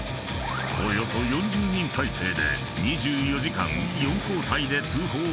［およそ４０人体制で２４時間４交代で通報を受けている］